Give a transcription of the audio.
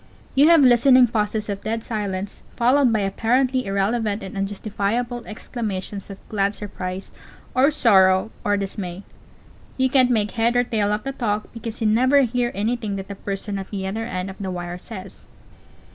You have listening pauses of dead silence, followed by apparently irrelevant and unjustifiable exclamations of glad surprise or sorrow or dismay. You can't make head or tail of the talk, because you never hear anything that the person at the other end of the wire says.